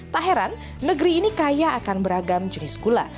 tak heran negeri ini kaya akan beragam jenis gula